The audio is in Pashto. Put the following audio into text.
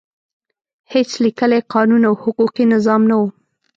هېڅ لیکلی قانون او حقوقي نظام نه و.